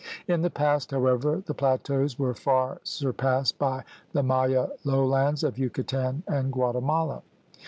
In the past, however, the plateaus were far surpassed by the Maya lowlands of Yucatan and Guatemala.